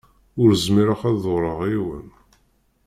Ur zmireɣ ad ḍurreɣ yiwen.